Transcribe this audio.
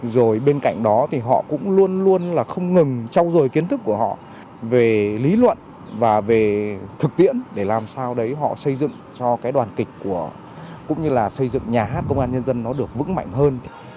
rồi bên cạnh đó thì họ cũng luôn luôn là không ngừng trao dồi kiến thức của họ về lý luận và về thực tiễn để làm sao đấy họ xây dựng cho cái đoàn kịch cũng như là xây dựng nhà hát công an nhân dân nó được vững mạnh hơn